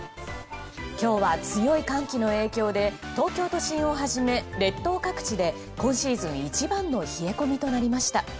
今日は強い寒気の影響で東京都心をはじめ列島各地で今シーズン一番の冷え込みとなりました。